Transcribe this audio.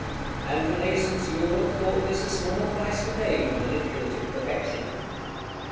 And Renaissance Europe thought this a small price to pay for manipulative perfection.